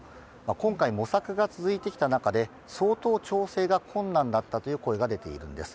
今回、模索が続いてきた中で相当、調整が困難だったという声が出ているんです。